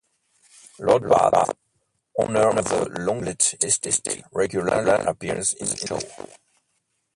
Lord Bath, owner of the Longleat estate, regularly appears in the show.